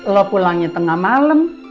lo pulangnya tengah malem